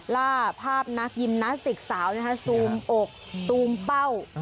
ล่าภาพนักยิมนาสติกสาวซูมอกซูมเป้า